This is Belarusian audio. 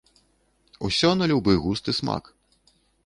Усё на любы густ і смак.